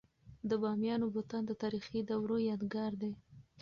د بامیانو بتان د تاریخي دورو یادګار دی.